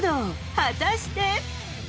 果たして。